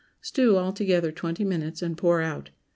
Stew all together twenty minutes, and pour out.